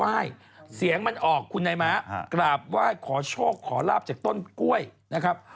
เสียงมันออกคุณนายม้ากราบไหว้ขอโชคขอลาบจากต้นกล้วยนะครับ